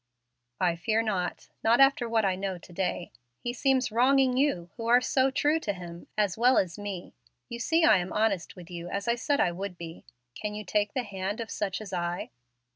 "I fear not not after what I know to day. He seems wronging you who are so true to Him, as well as me. You see I am honest with you, as I said I would be. Can you take the hand of such as I?"